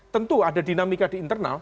tentu ada dinamika di internal